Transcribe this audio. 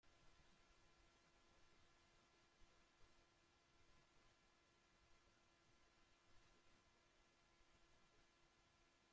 Para el perfil de un ala, el área de referencia es la superficie alar.